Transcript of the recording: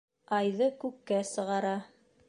Айҙы күккә сығара.